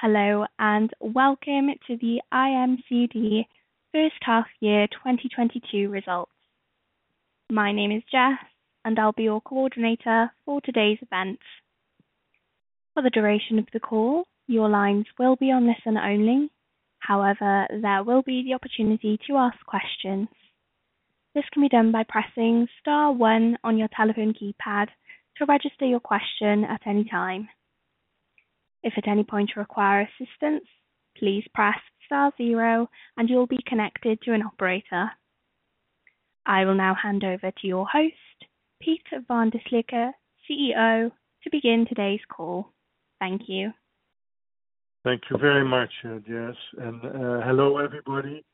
Hello, and welcome to the IMCD first half year 2022 results. My name is Jess, and I'll be your coordinator for today's event. For the duration of the call, your lines will be on listen only. However, there will be the opportunity to ask questions. This can be done by pressing star one on your telephone keypad to register your question at any time. If at any point you require assistance, please press star zero and you'll be connected to an operator. I will now hand over to your host, Piet van der Slikke, CEO, to begin today's call. Thank you. Thank you very much, Jess. Hello, everybody.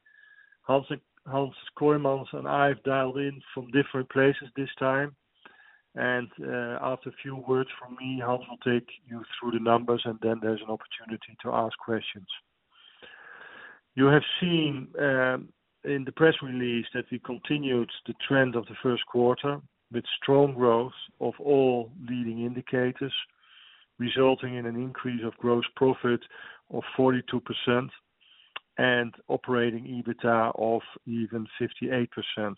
Hans Kooijmans and I have dialed in from different places this time. After a few words from me, Hans will take you through the numbers, and then there's an opportunity to ask questions. You have seen in the press release that we continued the trend of the first quarter with strong growth of all leading indicators, resulting in an increase of gross profit of 42% and operating EBITDA of even 58%.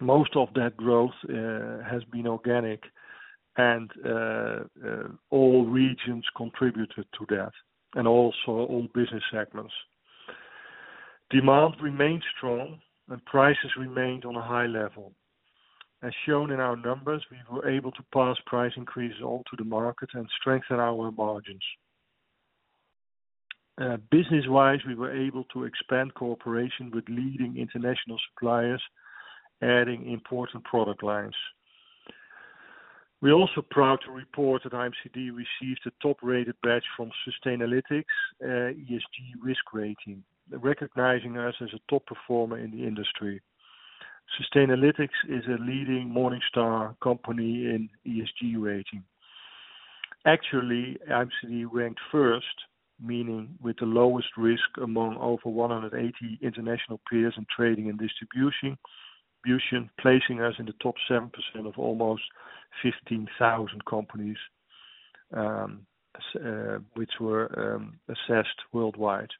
Most of that growth has been organic and all regions contributed to that, and also all business segments. Demand remained strong and prices remained on a high level. As shown in our numbers, we were able to pass price increases on to the market and strengthen our margins. Business-wise, we were able to expand cooperation with leading international suppliers, adding important product lines. We're also proud to report that IMCD received a top-rated badge from Sustainalytics, ESG risk rating, recognizing us as a top performer in the industry. Sustainalytics is a leading Morningstar company in ESG rating. Actually, IMCD ranked first, meaning with the lowest risk among over 180 international peers in trading and distribution, placing us in the top 7% of almost 15,000 companies, which were assessed worldwide.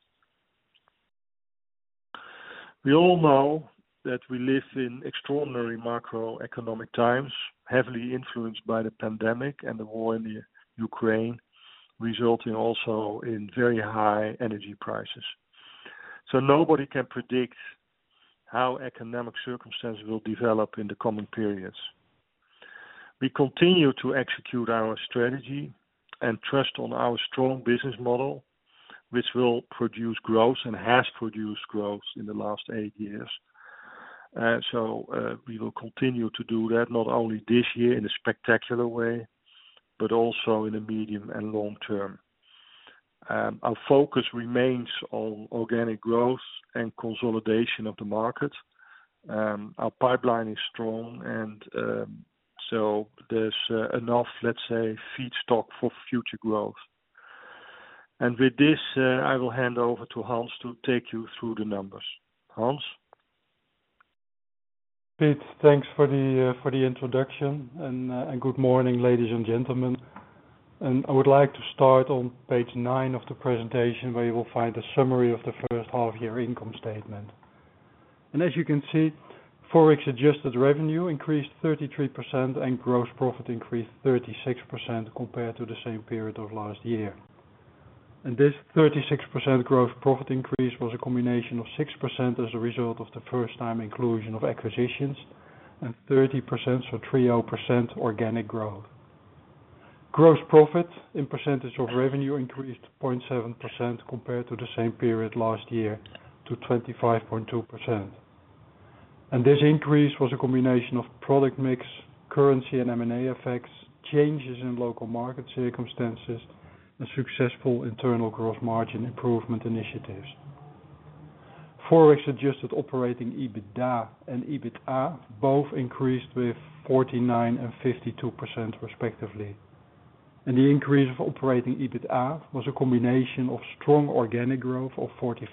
We all know that we live in extraordinary macroeconomic times, heavily influenced by the pandemic and the war in the Ukraine, resulting also in very high energy prices. Nobody can predict how economic circumstances will develop in the coming periods. We continue to execute our strategy and trust on our strong business model, which will produce growth and has produced growth in the last eight years. We will continue to do that not only this year in a spectacular way, but also in the medium and long term. Our focus remains on organic growth and consolidation of the market. Our pipeline is strong and so there's enough, let's say, feedstock for future growth. With this, I will hand over to Hans to take you through the numbers. Hans? Piet, thanks for the introduction and good morning, ladies and gentlemen. I would like to start on page nine of the presentation, where you will find a summary of the first half year income statement. As you can see, Forex adjusted revenue increased 33% and gross profit increased 36% compared to the same period of last year. This 36% gross profit increase was a combination of 6% as a result of the first time inclusion of acquisitions and 30%, so 30% organic growth. Gross profit as a percentage of revenue increased 0.7% compared to the same period last year to 25.2%. This increase was a combination of product mix, currency and M&A effects, changes in local market circumstances, and successful internal growth margin improvement initiatives. Forex adjusted operating EBITDA and EBITA both increased with 49% and 52% respectively. The increase of operating EBITA was a combination of strong organic growth of 45%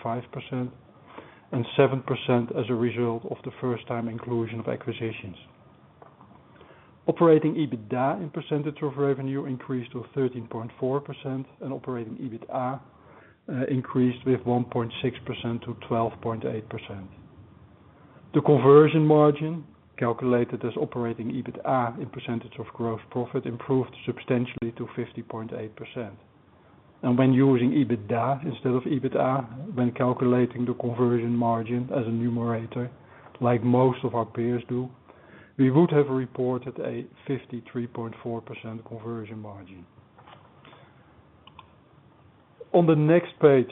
and 7% as a result of the first time inclusion of acquisitions. Operating EBITDA as a percentage of revenue increased to 13.4% and operating EBITA increased with 1.6% to 12.8%. The conversion margin, calculated as operating EBITA as a percentage of gross profit, improved substantially to 50.8%. When using EBITDA instead of EBITA when calculating the conversion margin as a numerator, like most of our peers do, we would have reported a 53.4% conversion margin. On the next page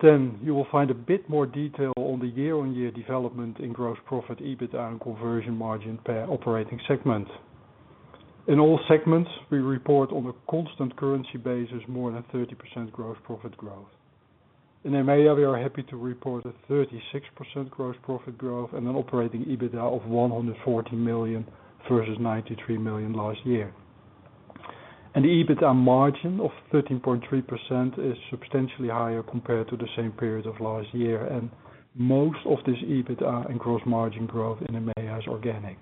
10, you will find a bit more detail on the year-on-year development in gross profit, EBITA, and conversion margin per operating segment. In all segments, we report on a constant currency basis more than 30% gross profit growth. In EMEA, we are happy to report 36% gross profit growth and an operating EBITDA of 140 million versus 93 million last year. An EBITDA margin of 13.3% is substantially higher compared to the same period of last year, and most of this EBITDA and gross margin growth in EMEA is organic.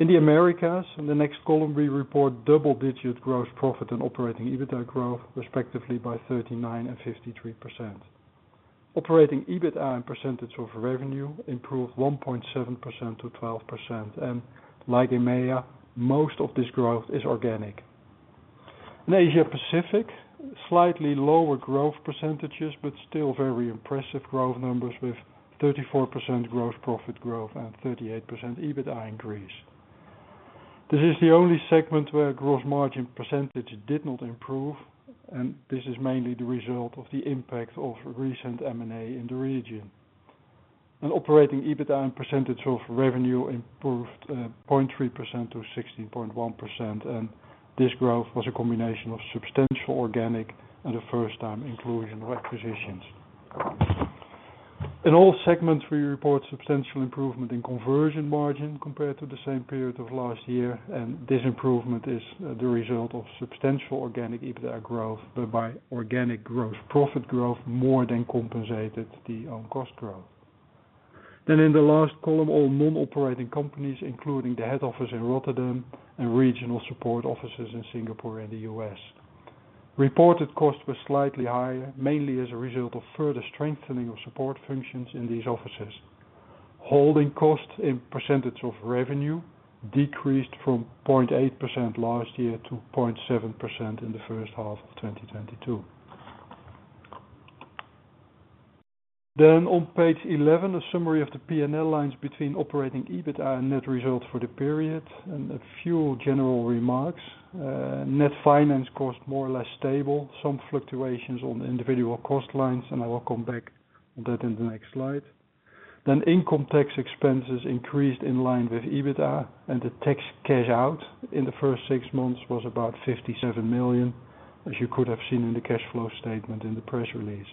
In the Americas, in the next column, we report double-digit gross profit and operating EBITDA growth, respectively 39% and 53%. Operating EBITDA and percentage of revenue improved 1.7% to 12%. Like EMEA, most of this growth is organic. In Asia Pacific, slightly lower growth percentages, but still very impressive growth numbers with 34% gross profit growth and 38% EBITDA increase. This is the only segment where gross margin percentage did not improve, and this is mainly the result of the impact of recent M&A in the region. Operating EBITDA and percentage of revenue improved 0.3% to 16.1%. This growth was a combination of substantial organic and a first time inclusion of acquisitions. In all segments, we report substantial improvement in conversion margin compared to the same period of last year. This improvement is the result of substantial organic EBITDA growth, but by organic growth, profit growth more than compensated the own cost growth. In the last column, all non-operating companies, including the head office in Rotterdam and regional support offices in Singapore and the U.S. Reported costs were slightly higher, mainly as a result of further strengthening of support functions in these offices. Holding costs in percentage of revenue decreased from 0.8% last year to 0.7% in the first half of 2022. On page 11, a summary of the P&L lines between operating EBITDA and net results for the period, and a few general remarks. Net finance cost more or less stable, some fluctuations on individual cost lines, and I will come back on that in the next slide. Income tax expenses increased in line with EBITDA, and the tax cash out in the first six months was about 57 million, as you could have seen in the cash flow statement in the press release.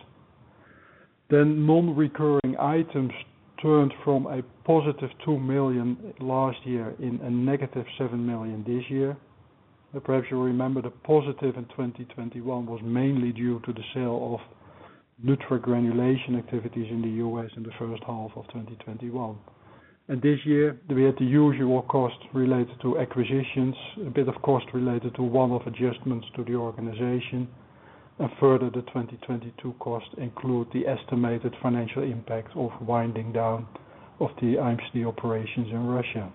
Non-recurring items turned from a positive 2 million last year to a negative 7 million this year. Perhaps you'll remember the positive in 2021 was mainly due to the sale of Nutri Granulations activities in the U.S. in the first half of 2021. This year, we had the usual costs related to acquisitions, a bit of cost related to one-off adjustments to the organization. Further, the 2022 costs include the estimated financial impact of winding down of the IMCD operations in Russia.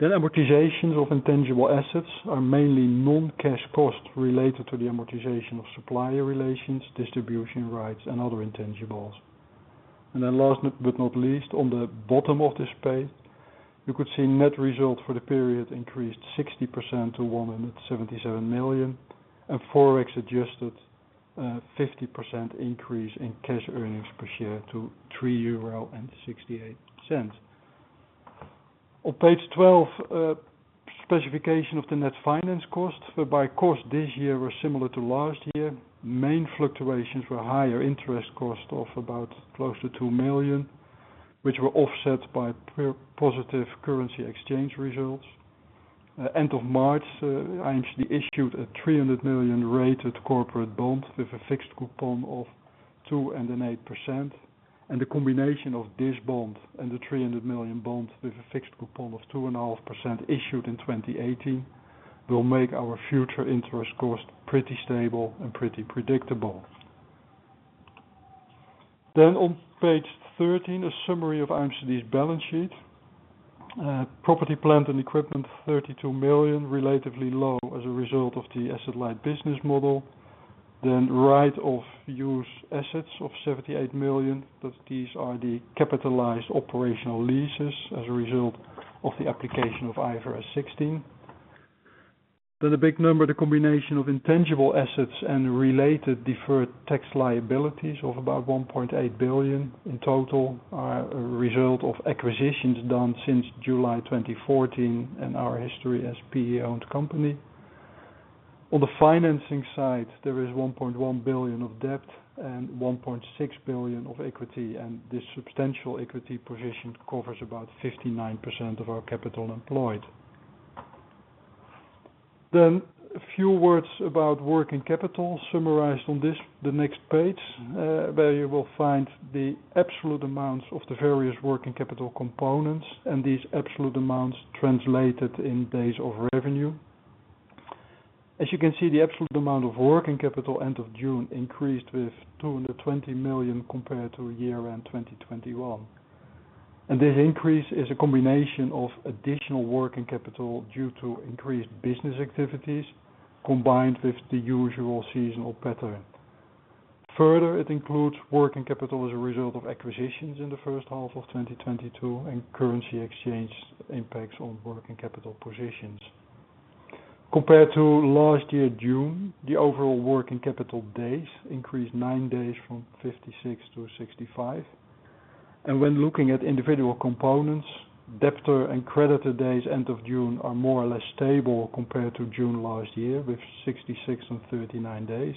Amortization of intangible assets are mainly non-cash costs related to the amortization of supplier relations, distribution rights, and other intangibles. Last but not least, on the bottom of this page, you could see net results for the period increased 60% to 177 million, and Forex adjusted, 50% increase in cash earnings per share to 3.68 euro. On page 12, specification of the net finance cost, costs this year were similar to last year. Main fluctuations were higher interest cost of about close to 2 million, which were offset by FX positive currency exchange results. End of March, IMCD issued a 300 million rated corporate bond with a fixed coupon of 2.8%. The combination of this bond and the 300 million bond with a fixed coupon of 2.5% issued in 2018 will make our future interest cost pretty stable and pretty predictable. On page 13, a summary of IMCD's balance sheet. Property, plant, and equipment, 32 million, relatively low as a result of the asset light business model. Right-of-use assets of 78 million, but these are the capitalized operating leases as a result of the application of IFRS 16. A big number, the combination of intangible assets and related deferred tax liabilities of about 1.8 billion in total are a result of acquisitions done since July 2014 and our history as PE-owned company. On the financing side, there is 1.1 billion of debt and 1.6 billion of equity, and this substantial equity position covers about 59% of our capital employed. A few words about working capital summarized on this, the next page, where you will find the absolute amounts of the various working capital components and these absolute amounts translated in days of revenue. As you can see, the absolute amount of working capital end of June increased with 220 million compared to year-end 2021. This increase is a combination of additional working capital due to increased business activities combined with the usual seasonal pattern. Further, it includes working capital as a result of acquisitions in the first half of 2022 and currency exchange impacts on working capital positions. Compared to last year, June, the overall working capital days increased nine days from 56 to 65. When looking at individual components, debtor and creditor days end of June are more or less stable compared to June last year with 66 and 39 days.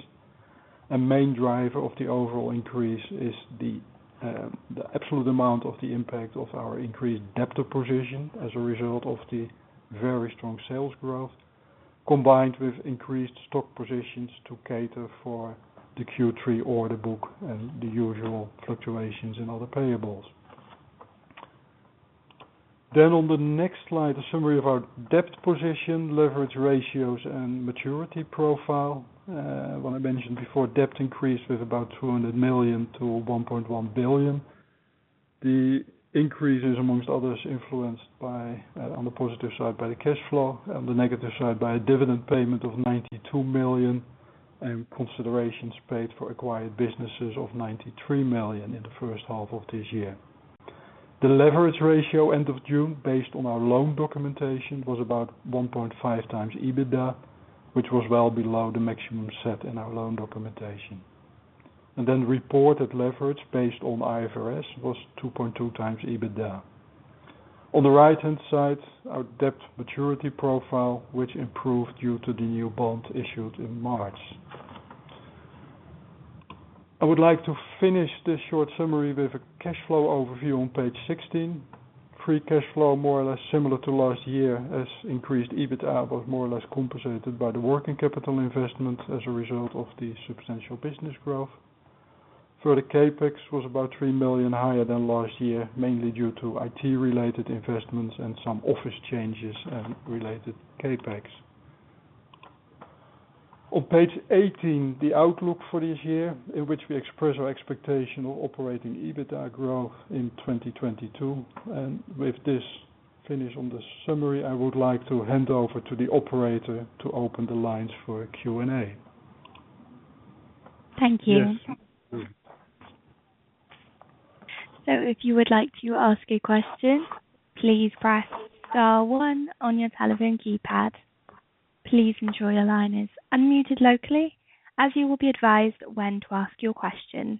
A main driver of the overall increase is the absolute amount of the impact of our increased debtor position as a result of the very strong sales growth. Combined with increased stock positions to cater for the Q3 order book and the usual fluctuations in other payables. On the next slide, a summary of our debt position, leverage ratios and maturity profile. What I mentioned before, debt increased with about 200 million to 1.1 billion. The increase is, among others, influenced by, on the positive side by the cash flow, on the negative side by a dividend payment of 92 million, and considerations paid for acquired businesses of 93 million in the first half of this year. The leverage ratio end of June, based on our loan documentation, was about 1.5x EBITDA, which was well below the maximum set in our loan documentation. Reported leverage based on IFRS was 2.2x EBITDA. On the right-hand side, our debt maturity profile, which improved due to the new bond issued in March. I would like to finish this short summary with a cash flow overview on page 16. Free cash flow, more or less similar to last year as increased EBITDA, but more or less compensated by the working capital investment as a result of the substantial business growth. Further, CapEx was about 3 million higher than last year, mainly due to IT-related investments and some office changes and related CapEx. On page 18, the outlook for this year, in which we express our expectation of operating EBITDA growth in 2022. With this finish on the summary, I would like to hand over to the operator to open the lines for Q&A. Thank you. Yes. If you would like to ask a question, please press star one on your telephone keypad. Please ensure your line is unmuted locally as you will be advised when to ask your question.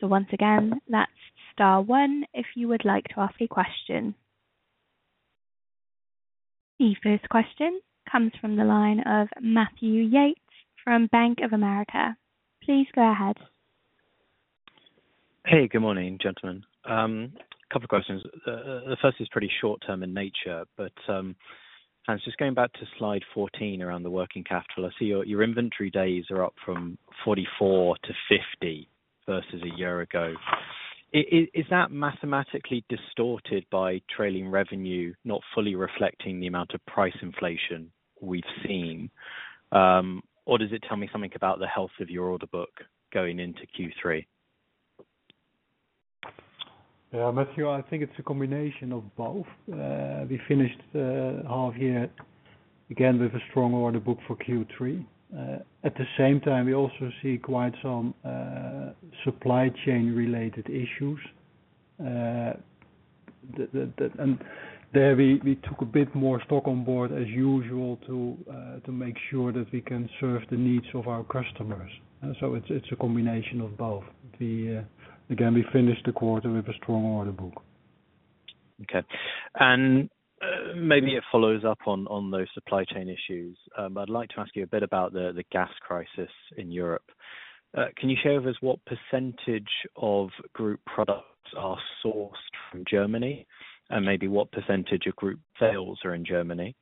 Once again, that's star one if you would like to ask a question. The first question comes from the line of Matthew Yates from Bank of America. Please go ahead. Hey, good morning, gentlemen. A couple of questions. The first is pretty short-term in nature, but I was just going back to slide 14 around the working capital. I see your inventory days are up from 44 to 50 versus a year ago. Is that mathematically distorted by trailing revenue not fully reflecting the amount of price inflation we've seen? Or does it tell me something about the health of your order book going into Q3? Yeah, Matthew, I think it's a combination of both. We finished the half year, again, with a strong order book for Q3. At the same time, we also see quite some supply chain related issues. There we took a bit more stock on board as usual to make sure that we can serve the needs of our customers. It's a combination of both. Again, we finished the quarter with a strong order book. Okay. Maybe it follows up on those supply chain issues. I'd like to ask you a bit about the gas crisis in Europe. Can you share with us what percentage of group products are sourced from Germany? Maybe what percentage of group sales are in Germany?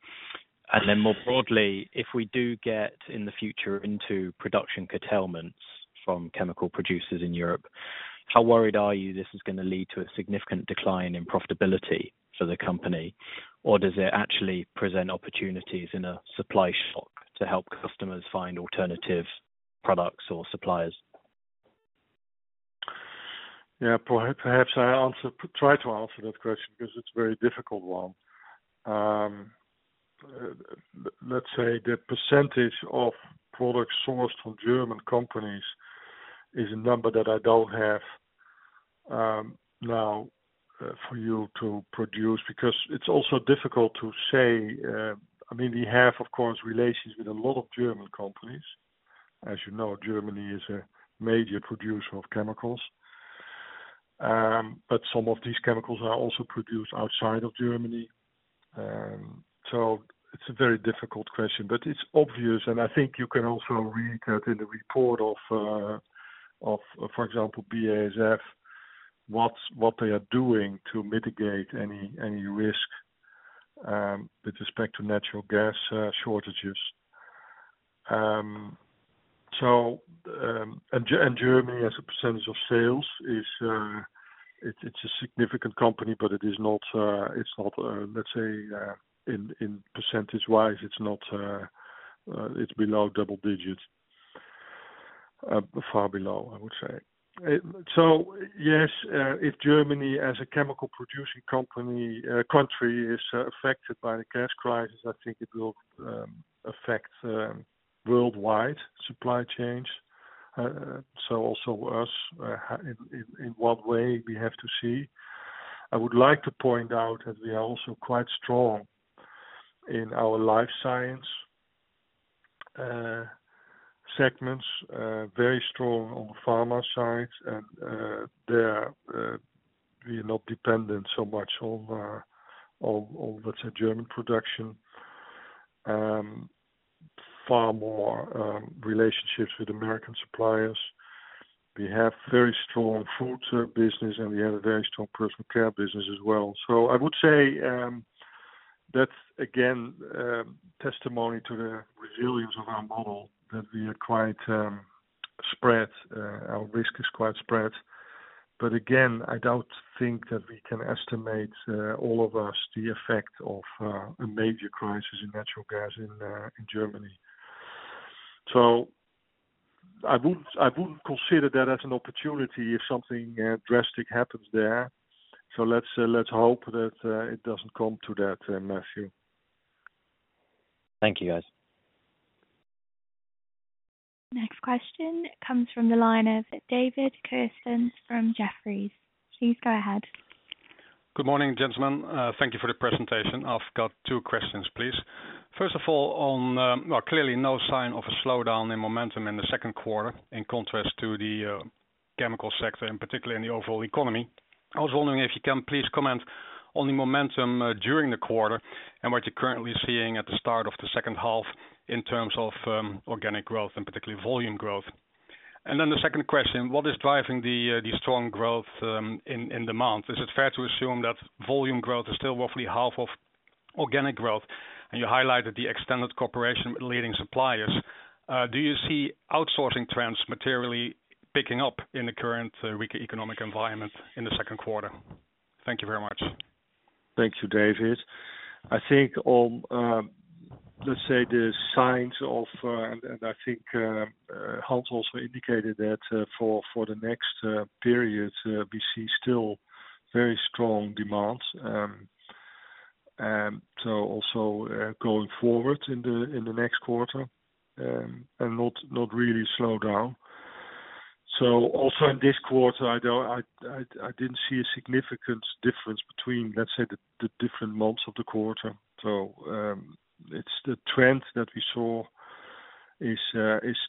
More broadly, if we do get in the future into production curtailments from chemical producers in Europe, how worried are you this is gonna lead to a significant decline in profitability for the company? Does it actually present opportunities in a supply shock to help customers find alternative products or suppliers? Yeah. Perhaps I answer, try to answer that question because it's a very difficult one. Let's say the percentage of products sourced from German companies is a number that I don't have now for you to produce, because it's also difficult to say. I mean, we have, of course, relations with a lot of German companies. As you know, Germany is a major producer of chemicals, but some of these chemicals are also produced outside of Germany. It's a very difficult question, but it's obvious, and I think you can also read that in the report of, for example, BASF, what they are doing to mitigate any risk with respect to natural gas shortages. Germany as a percentage of sales is, it's a significant company, but it is not, let's say, in percentage-wise, it's below double digits, far below, I would say. If Germany as a chemical producing company, country is affected by the gas crisis, I think it will affect worldwide supply chains. Also us. In what way? We have to see. I would like to point out that we are also quite strong in our life science segments, very strong on the pharma sides, and there, we're not dependent so much on, let's say, German production. Far more relationships with American suppliers. We have very strong food service business, and we have a very strong personal care business as well. I would say that's again testimony to the resilience of our model that we are quite spread. Our risk is quite spread. Again, I don't think that we can estimate all of us the effect of a major crisis in natural gas in Germany. I wouldn't consider that as an opportunity if something drastic happens there. Let's hope that it doesn't come to that, Matthew. Thank you, guys. Next question comes from the line of David Sheridan from Jefferies. Please go ahead. Good morning, gentlemen. Thank you for the presentation. I've got two questions, please. First of all, well, clearly no sign of a slowdown in momentum in the second quarter, in contrast to the chemical sector and particularly in the overall economy. I was wondering if you can please comment on the momentum during the quarter and what you're currently seeing at the start of the second half in terms of organic growth and particularly volume growth. Then the second question, what is driving the strong growth in demand? Is it fair to assume that volume growth is still roughly half of organic growth? You highlighted the extended cooperation with leading suppliers. Do you see outsourcing trends materially picking up in the current weak economic environment in the second quarter? Thank you very much. Thank you, David. I think Hans also indicated that for the next period we see still very strong demand also going forward in the next quarter and not really slow down. Also in this quarter, I didn't see a significant difference between, let's say, the different months of the quarter. It's the trend that we saw is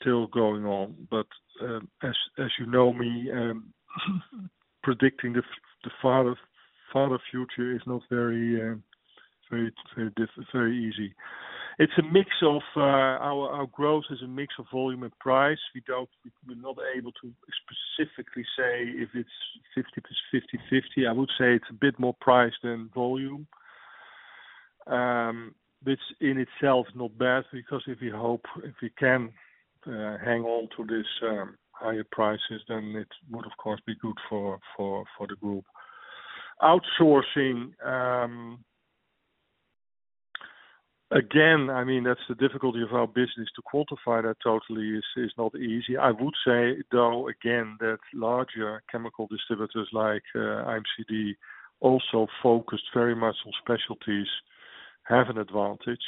still going on. As you know me, predicting the farther future is not very easy. It's a mix of our growth is a mix of volume and price. We're not able to specifically say if it's 50%-50%. I would say it's a bit more price than volume. Which in itself not bad, because if we hope, if we can, hang on to this higher prices, then it would, of course, be good for the group. Outsourcing, again, I mean, that's the difficulty of our business. To quantify that totally is not easy. I would say, though, again, that larger chemical distributors like IMCD also focused very much on specialties, have an advantage.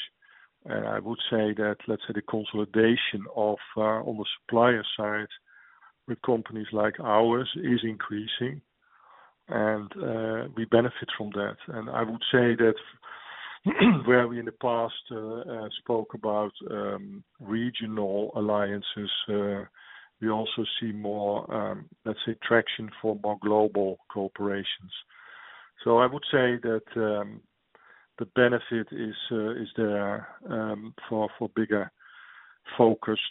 I would say that, let's say the consolidation of on the supplier side with companies like ours is increasing, and we benefit from that. I would say that where we in the past spoke about regional alliances, we also see more, let's say, traction for more global corporations. I would say that the benefit is there for bigger focused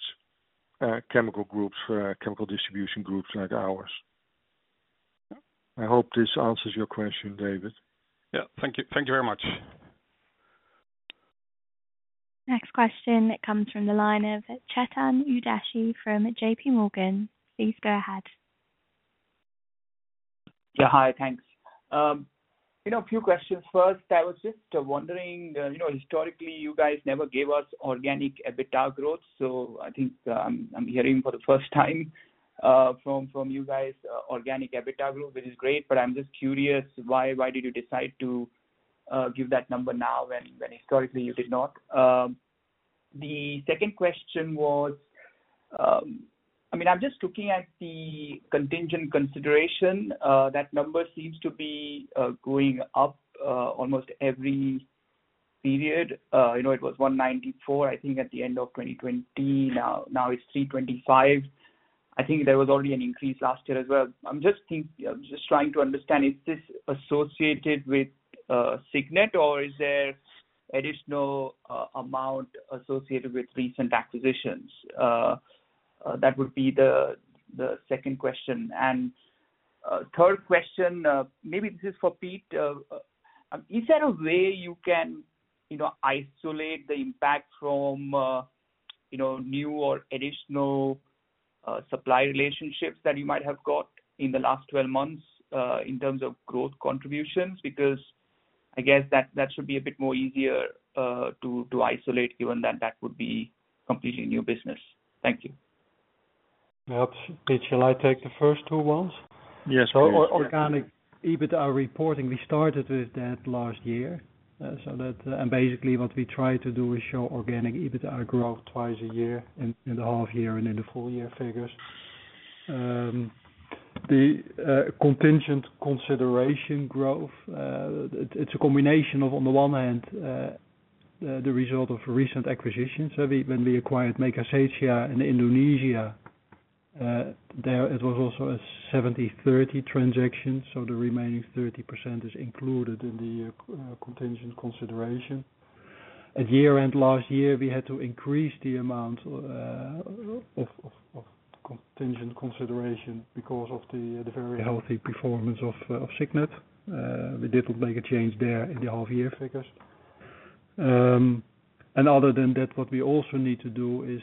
chemical groups, chemical distribution groups like ours. I hope this answers your question, David. Yeah. Thank you. Thank you very much. Next question comes from the line of Chetan Udeshi from JPMorgan. Please go ahead. Yeah. Hi. Thanks. You know, a few questions. First, I was just wondering, you know, historically, you guys never gave us organic EBITDA growth, so I think, I'm hearing for the first time, from you guys, organic EBITDA growth, which is great, but I'm just curious why did you decide to give that number now when historically you did not? The second question was, I mean, I'm just looking at the contingent consideration. That number seems to be going up almost every period. You know, it was 194, I think, at the end of 2020. Now it's 325. I think there was already an increase last year as well. I'm just trying to understand, is this associated with Signet, or is there additional amount associated with recent acquisitions? That would be the second question. Third question, maybe this is for Piet. Is there a way you can, you know, isolate the impact from, you know, new or additional supply relationships that you might have got in the last twelve months, in terms of growth contributions? Because I guess that should be a bit more easier to isolate, given that that would be completely new business. Thank you. Perhaps, Piet, shall I take the first two ones? Yes, please. Organic EBITDA reporting, we started with that last year. Basically, what we try to do is show organic EBITDA growth twice a year in the half year and in the full year figures. Contingent consideration growth, it's a combination of, on the one hand, the result of recent acquisitions. When we acquired PT Megasetia Agung Kimia in Indonesia, there it was also a 70/30 transaction, so the remaining 30% is included in contingent consideration. At year end last year, we had to increase the amount of contingent consideration because of the very healthy performance of Signet. We did make a change there in the half year figures. Other than that, what we also need to do is,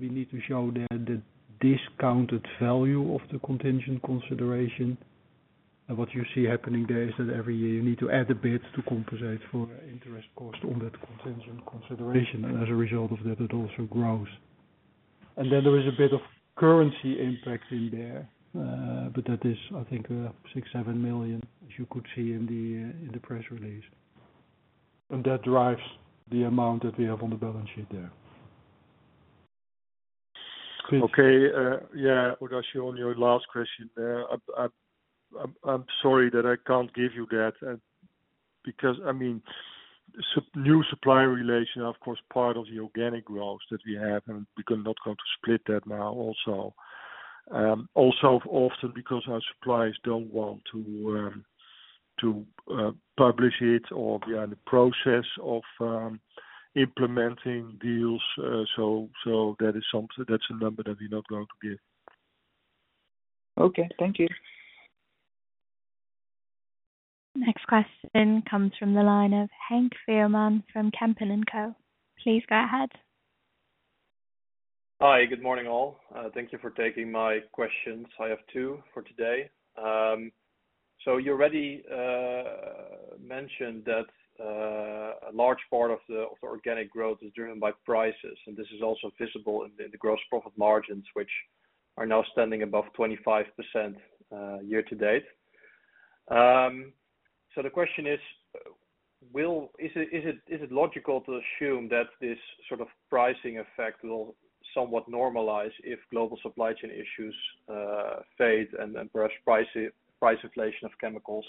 we need to show the discounted value of the contingent consideration. What you see happening there is that every year you need to add a bit to compensate for interest cost on that contingent consideration. As a result of that, it also grows. Then there is a bit of currency impact in there. But that is I think, 6 million-7 million, as you could see in the press release. That drives the amount that we have on the balance sheet there. Okay. Yeah. On your last question there. I'm sorry that I can't give you that, because, I mean, new supplier relation, of course, part of the organic growth that we have, and we're not going to split that now also. Also often because our suppliers don't want to publish it or we are in the process of implementing deals. That is something that's a number that we're not going to give. Okay. Thank you. Next question comes from the line of Henk Veerman from Van Lanschot Kempen. Please go ahead. Hi. Good morning, all. Thank you for taking my questions. I have two for today. You already mentioned that a large part of the organic growth is driven by prices, and this is also visible in the gross profit margins, which are now standing above 25%, year to date. The question is it logical to assume that this sort of pricing effect will somewhat normalize if global supply chain issues fade and price inflation of chemicals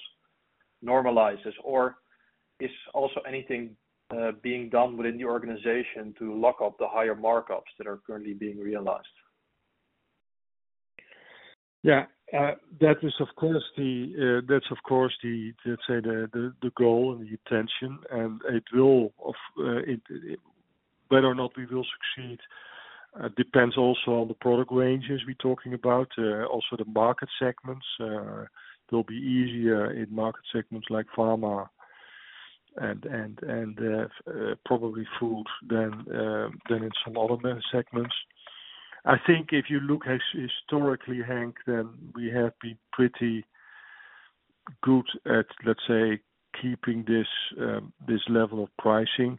normalizes? Or is anything being done within the organization to lock up the higher markups that are currently being realized? Yeah. That is of course the goal and the intention. Whether or not we will succeed depends also on the product ranges we're talking about. Also the market segments. They'll be easier in market segments like pharma and probably food than in some other segments. I think if you look historically, Henk, then we have been pretty good at, let's say, keeping this level of pricing.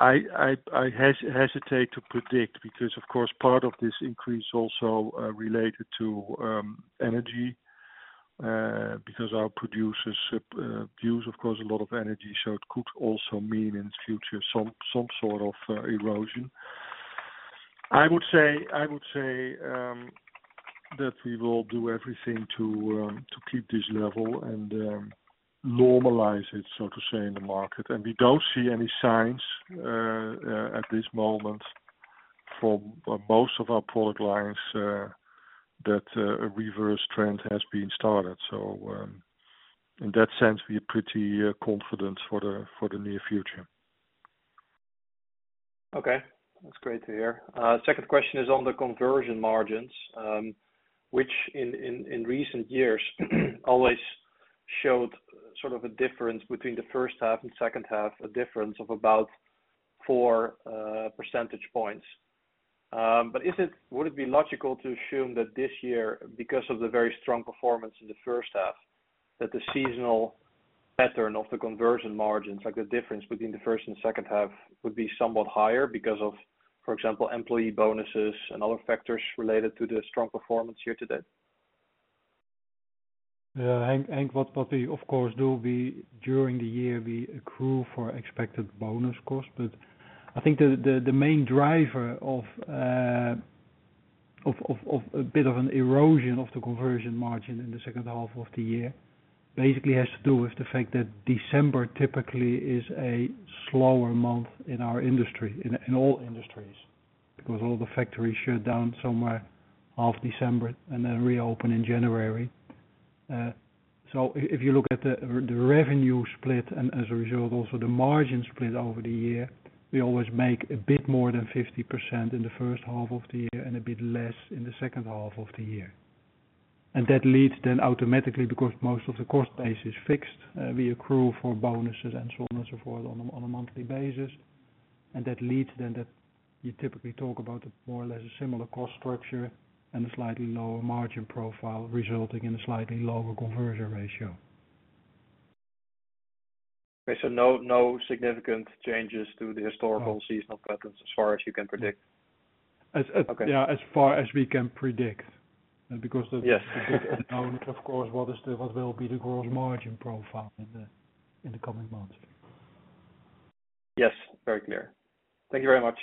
I hesitate to predict, because of course, part of this increase also related to energy, because our producers use of course a lot of energy, so it could also mean in the future some sort of erosion. I would say that we will do everything to keep this level and normalize it, so to say, in the market. We don't see any signs at this moment from most of our product lines that a reverse trend has been started. In that sense, we are pretty confident for the near future. Okay. That's great to hear. Second question is on the conversion margins, which in recent years always showed sort of a difference between the first half and second half, a difference of about 4 percentage points. Would it be logical to assume that this year, because of the very strong performance in the first half, that the seasonal pattern of the conversion margins, like the difference between the first and second half, would be somewhat higher because of, for example, employee bonuses and other factors related to the strong performance year to date? Yeah. Hank, what we of course do, we during the year, we accrue for expected bonus costs. I think the main driver of a bit of an erosion of the conversion margin in the second half of the year basically has to do with the fact that December typically is a slower month in our industry, in all industries, because all the factories shut down somewhere half December and then reopen in January. So if you look at the revenue split and as a result, also the margin split over the year, we always make a bit more than 50% in the first half of the year and a bit less in the second half of the year. That leads then automatically because most of the cost base is fixed, we accrue for bonuses and so on and so forth on a monthly basis. That leads then that you typically talk about more or less a similar cost structure and a slightly lower margin profile resulting in a slightly lower conversion ratio. Okay. No significant changes to the historical- No. Seasonal patterns as far as you can predict? As, as- Okay. Yeah, as far as we can predict. Because- Yes. Of course, what will be the gross margin profile in the coming months? Yes. Very clear. Thank you very much.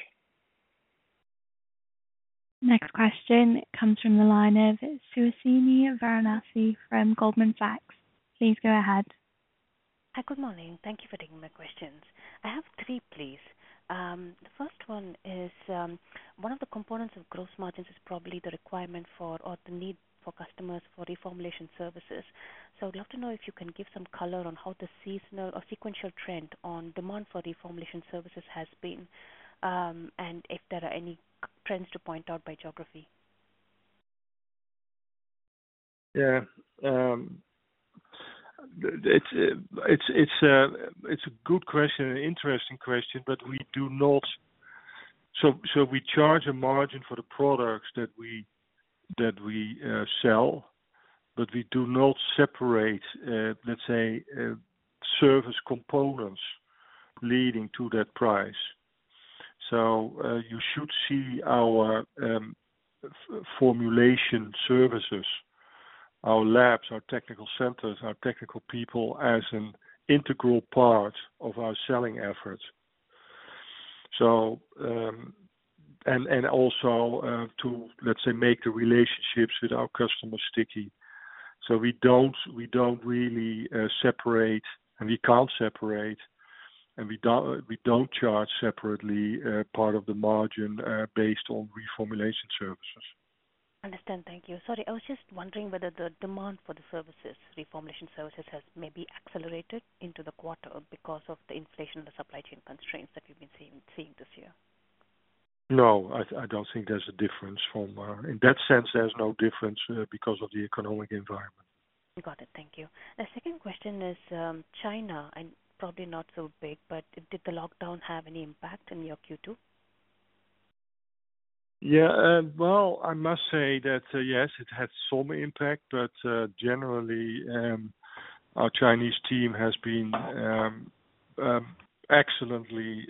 Next question comes from the line of Suhasini Varanasi from Goldman Sachs. Please go ahead. Hi. Good morning. Thank you for taking my questions. I have three, please. The first one is, one of the components of gross margins is probably the requirement for or the need for customers for reformulation services. I'd love to know if you can give some color on how the seasonal or sequential trend on demand for reformulation services has been, and if there are any trends to point out by geography. Yeah. It's a good question, an interesting question, but we do not. We charge a margin for the products that we sell, but we do not separate, let's say, service components leading to that price. You should see our formulation services, our labs, our technical centers, our technical people as an integral part of our selling efforts. And also, to, let's say, make the relationships with our customers sticky. We don't really separate, and we can't separate, and we don't charge separately, part of the margin based on reformulation services. Understand. Thank you. Sorry. I was just wondering whether the demand for the services, reformulation services, has maybe accelerated into the quarter because of the inflation and the supply chain constraints that we've been seeing this year? No, I don't think there's a difference. In that sense, there's no difference because of the economic environment. Got it. Thank you. The second question is, China, and probably not so big, but did the lockdown have any impact in your Q2? Yeah. Well, I must say that yes, it had some impact, but generally, our Chinese team has been excellently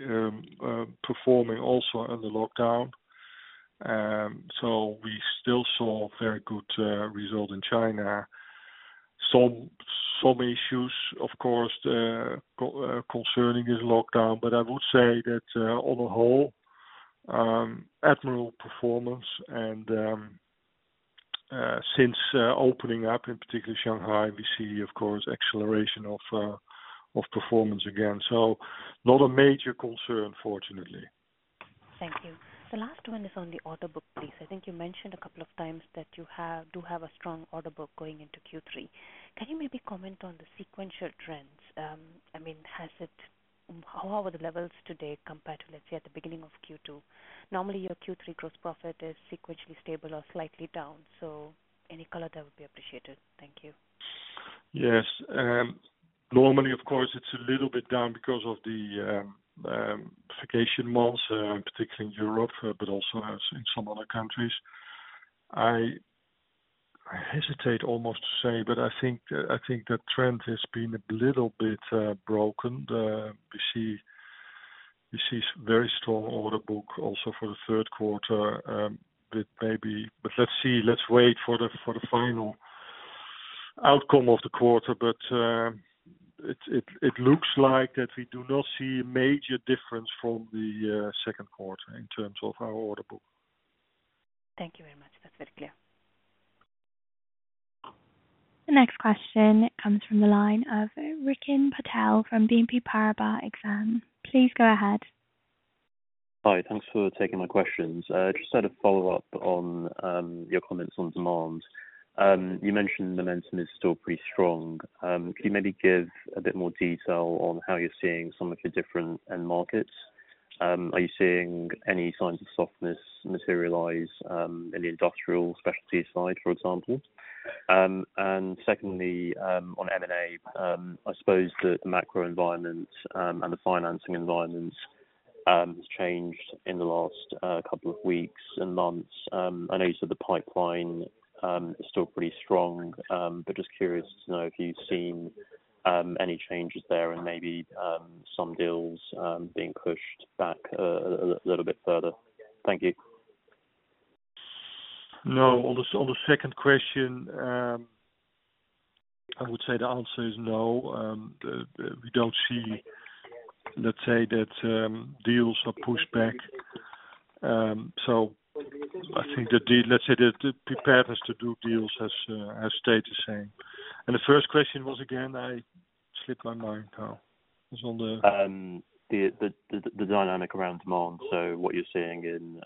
performing also under lockdown. So we still saw very good result in China. Some issues, of course, concerning this lockdown, but I would say that on the whole, admirable performance, and since opening up in particular, Shanghai, we see, of course, acceleration of performance again. Not a major concern, fortunately. Thank you. The last one is on the order book, please. I think you mentioned a couple of times that you do have a strong order book going into Q3. Can you maybe comment on the sequential trends? I mean, how are the levels today compared to, let's say, at the beginning of Q2? Normally, your Q3 gross profit is sequentially stable or slightly down, so any color there would be appreciated. Thank you. Yes. Normally, of course, it's a little bit down because of the vacation months, particularly in Europe, but also in some other countries. I hesitate almost to say, but I think the trend has been a little bit broken. We see very strong order book also for the third quarter. Maybe. Let's see. Let's wait for the final outcome of the quarter. It looks like that we do not see a major difference from the second quarter in terms of our order book. Thank you very much. That's very clear. The next question comes from the line of Rikin Patel from BNP Paribas Exane. Please go ahead. Hi. Thanks for taking my questions. Just sort of follow up on your comments on demand. You mentioned momentum is still pretty strong. Can you maybe give a bit more detail on how you're seeing some of your different end markets? Are you seeing any signs of softness materialize in the industrial specialty side, for example? And secondly, on M&A, I suppose the macro environment and the financing environment has changed in the last couple of weeks and months. I know you said the pipeline is still pretty strong. But just curious to know if you've seen any changes there and maybe some deals being pushed back a little bit further. Thank you. No. On the second question, I would say the answer is no. We don't see, let's say that, deals are pushed back. So I think, let's say the preparedness to do deals has stayed the same. The first question was again? Slipped my mind now. It's on the The dynamic around demand, so what you're seeing in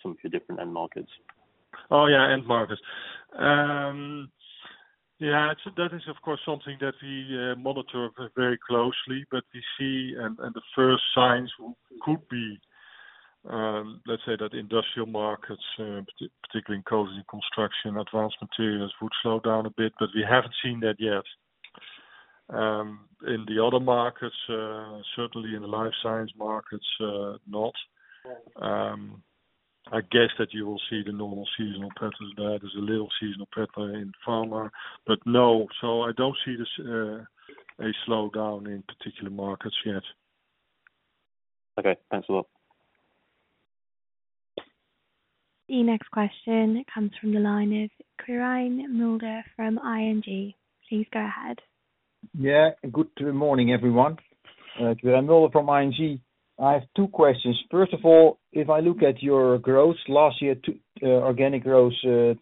some of your different end markets. Oh, yeah, end markets. Yeah, that is of course something that we monitor very closely. We see and the first signs could be, let's say that industrial markets, particularly in construction, advanced materials, would slow down a bit, but we haven't seen that yet. In the other markets, certainly in the life science markets, not. I guess that you will see the normal seasonal patterns there. There's a little seasonal pattern in pharma. No, I don't see this, a slowdown in particular markets yet. Okay. Thanks a lot. The next question comes from the line of Quirijn Mulder from ING. Please go ahead. Yeah. Good morning, everyone. Quirijn Mulder from ING. I have two questions. First of all, if I look at your growth last year, organic growth 20%,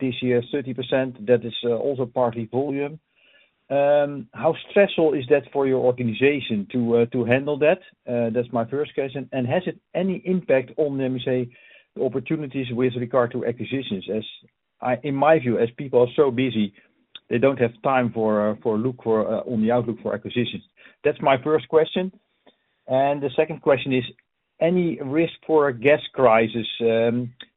this year 30%, that is also partly volume. How stressful is that for your organization to handle that? That's my first question. Has it any impact on, let me say, opportunities with regard to acquisitions? In my view, as people are so busy, they don't have time to look for acquisitions. That's my first question. The second question is there any risk of a gas crisis?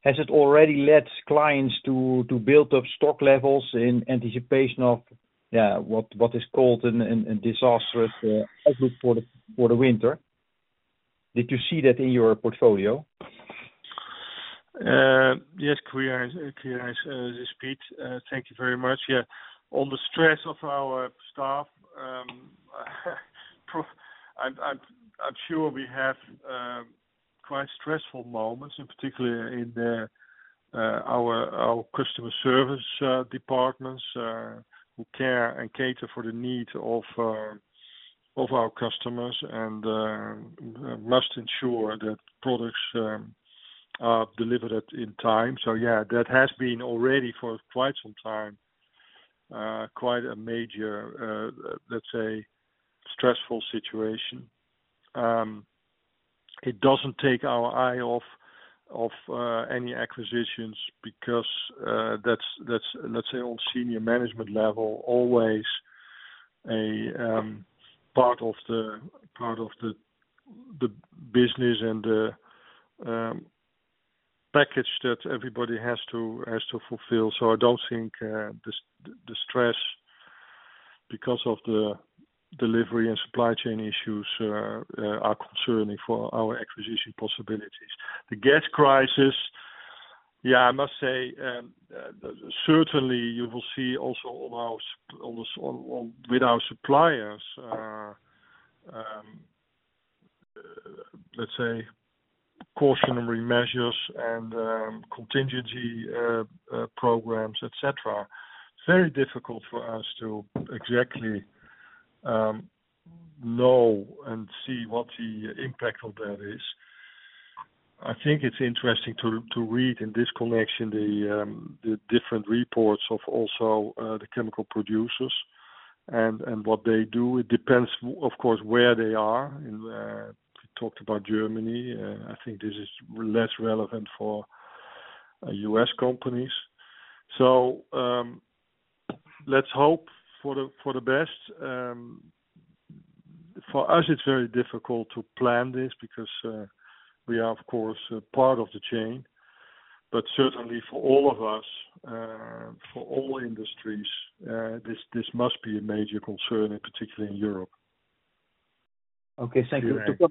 Has it already led clients to build up stock levels in anticipation of what is called a disastrous outlook for the winter? Did you see that in your portfolio? Yes, clear. Clear as the speed. Thank you very much. Yeah. On the stress of our staff, I'm sure we have quite stressful moments and particularly in our customer service departments who care and cater for the needs of our customers and must ensure that products are delivered on time. Yeah, that has been already for quite some time quite a major, let's say stressful situation. It doesn't take our eye off any acquisitions because that's, let's say on senior management level, always a part of the business and the package that everybody has to fulfill. I don't think the stress because of the delivery and supply chain issues are concerning for our acquisition possibilities. The gas crisis, I must say, certainly you will see also on with our suppliers, let's say cautionary measures and contingency programs, et cetera. Very difficult for us to exactly know and see what the impact of that is. I think it's interesting to read in this connection the different reports of also the chemical producers and what they do. It depends, of course, where they are. We talked about Germany. I think this is less relevant for U.S. companies. Let's hope for the best. For us, it's very difficult to plan this because we are of course part of the chain. Certainly for all of us, for all industries, this must be a major concern, and particularly in Europe. Okay. Thank you. Sure.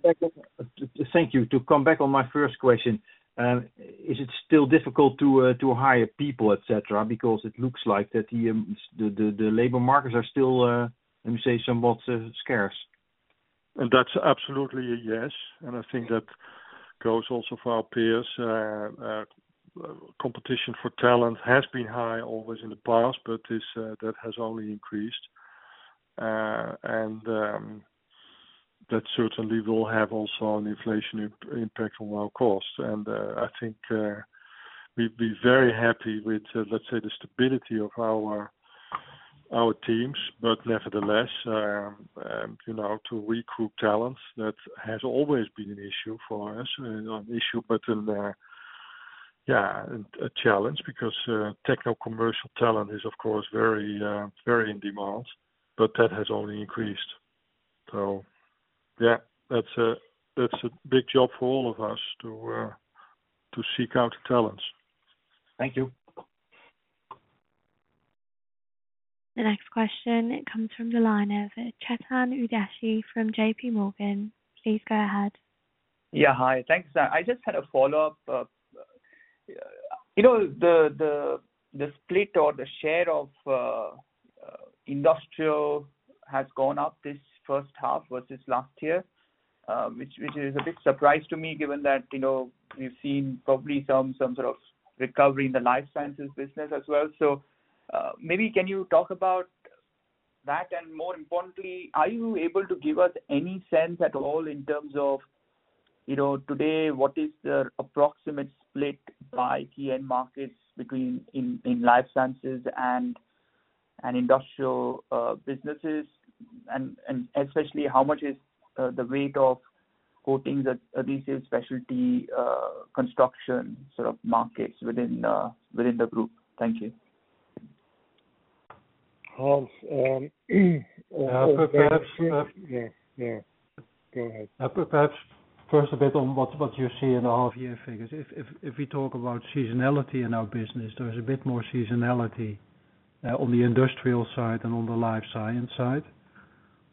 Thank you. To come back on my first question, is it still difficult to hire people, et cetera? Because it looks like that the labor markets are still, let me say, somewhat scarce. That's absolutely a yes, and I think that goes also for our peers. Competition for talent has been high always in the past, but is. That has only increased. That certainly will have also an inflation impact on our costs. I think we'd be very happy with, let's say, the stability of our teams. Nevertheless, you know, to recruit talents, that has always been an issue for us. Not an issue, but yeah, a challenge because technocommercial talent is of course very very in demand, but that has only increased. Yeah, that's a big job for all of us to seek out talents. Thank you. The next question comes from the line of Chetan Udeshi from JPMorgan. Please go ahead. Yeah. Hi. Thanks. I just had a follow-up. You know, the split or the share of industrial has gone up this first half versus last year, which is a bit surprising to me given that, you know, we've seen probably some sort of recovery in the life sciences business as well. Maybe can you talk about that? More importantly, are you able to give us any sense at all in terms of, you know, today what is the approximate split by key end markets between, in life sciences and industrial businesses? Especially, how much is the weight of coatings, adhesives, specialty construction sort of markets within the group? Thank you. Hans, Perhaps. Yeah. Yeah. Go ahead. Perhaps first a bit on what you see in the half-year figures. If we talk about seasonality in our business, there is a bit more seasonality on the industrial side than on the life science side.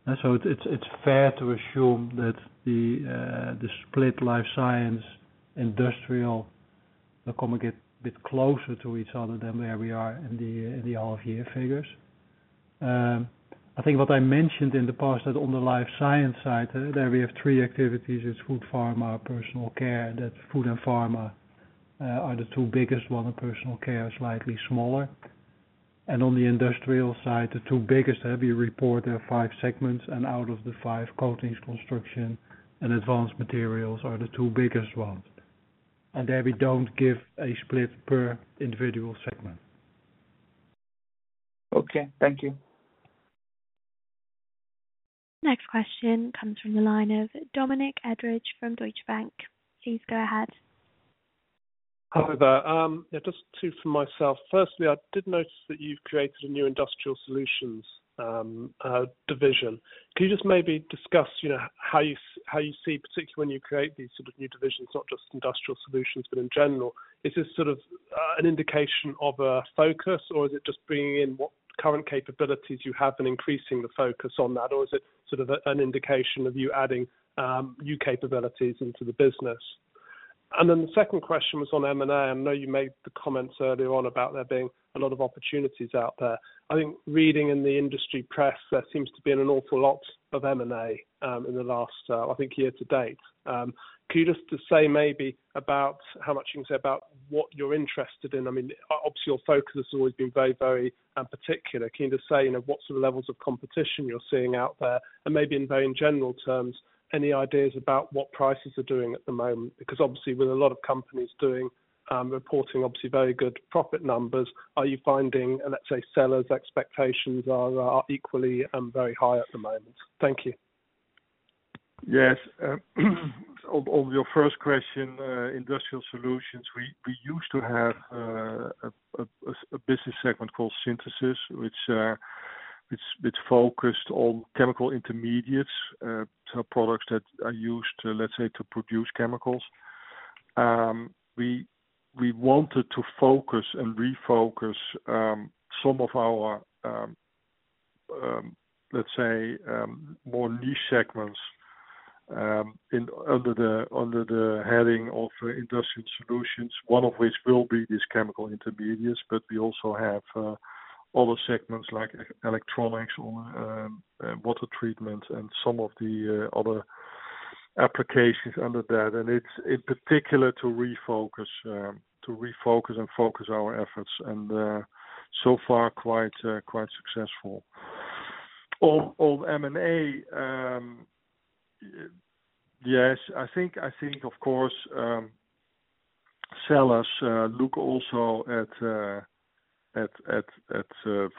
It's fair to assume that the split life science, industrial, they're gonna get a bit closer to each other than where we are in the half-year figures. I think what I mentioned in the past that on the life science side, there we have three activities. It's food, pharma, personal care. That food and pharma are the two biggest ones, and personal care is slightly smaller. On the industrial side, the two biggest we report, there are five segments, and out of the five, coatings, construction, and advanced materials are the two biggest ones. There we don't give a split per individual segment. Okay, thank you. Next question comes from the line of Dominic Edridge from Deutsche Bank. Please go ahead. Hi there. Yeah, just two for myself. Firstly, I did notice that you've created a new Industrial Solutions division. Can you just maybe discuss, you know, how you see, particularly when you create these sort of new divisions, not just Industrial Solutions, but in general, is this sort of an indication of a focus or is it just bringing in what current capabilities you have and increasing the focus on that? Or is it sort of an indication of you adding new capabilities into the business? And then the second question was on M&A. I know you made the comments earlier on about there being a lot of opportunities out there. I think reading in the industry press, there seems to be an awful lot of M&A in the last, I think, year to date. Can you just to say maybe about how much you can say about what you're interested in? I mean, obviously your focus has always been very particular. Can you just say, you know, what sort of levels of competition you're seeing out there and maybe in very general terms, any ideas about what prices are doing at the moment? Because obviously with a lot of companies doing reporting, obviously very good profit numbers, are you finding, let's say, sellers expectations are equally and very high at the moment? Thank you. Yes. On your first question, Industrial Solutions, we used to have a business segment called Synthesis, which focused on chemical intermediates, so products that are used to, let's say, to produce chemicals. We wanted to focus and refocus some of our, let's say, more niche segments under the heading of Industrial Solutions, one of which will be these chemical intermediates, but we also have other segments like electronics or water treatment and some of the other applications under that. It's in particular to refocus and focus our efforts, and so far quite successful. On M&A, yes, I think of course, sellers look also at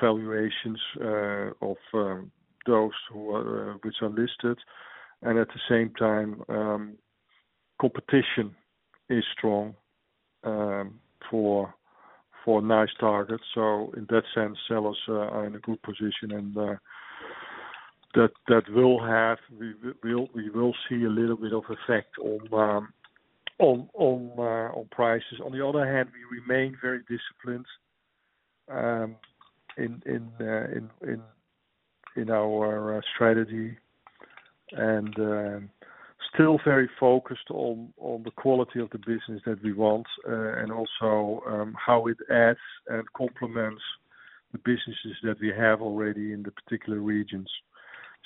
valuations of those which are listed. At the same time, competition is strong for nice targets. In that sense, sellers are in a good position and that will have. We will see a little bit of effect on prices. On the other hand, we remain very disciplined in our strategy and still very focused on the quality of the business that we want and also how it adds and complements the businesses that we have already in the particular regions.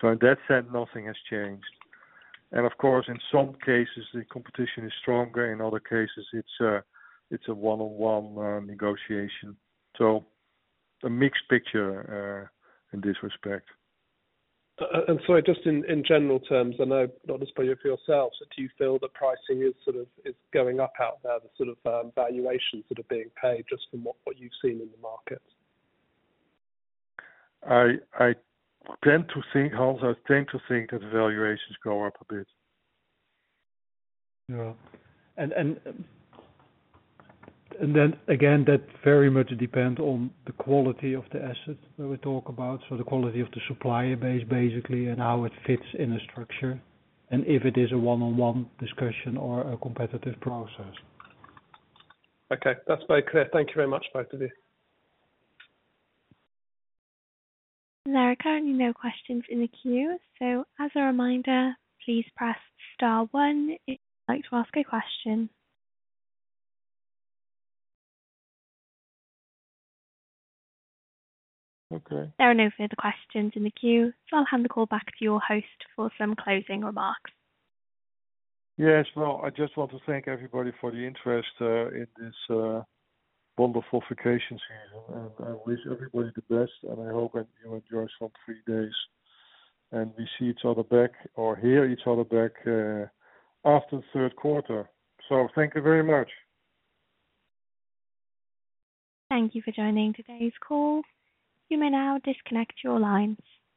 In that sense, nothing has changed. Of course, in some cases the competition is stronger. In other cases, it's a one-on-one negotiation. A mixed picture in this respect. Just in general terms, I know not just for yourselves, do you feel the pricing is sort of going up out there, the sort of valuations that are being paid just from what you've seen in the market? Hans, I tend to think that valuations go up a bit. Yeah. That very much depends on the quality of the assets that we talk about. The quality of the supplier base basically, and how it fits in a structure, and if it is a one-on-one discussion or a competitive process. Okay. That's very clear. Thank you very much, both of you. There are currently no questions in the queue. As a reminder, please press star one if you'd like to ask a question. Okay. There are no further questions in the queue. I'll hand the call back to your host for some closing remarks. Yes. Well, I just want to thank everybody for the interest in this wonderful vacation season. I wish everybody the best, and I hope that you enjoy some free days. We see each other back or hear each other back after the third quarter. Thank you very much. Thank you for joining today's call. You may now disconnect your lines.